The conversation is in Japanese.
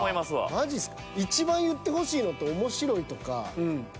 マジっすか。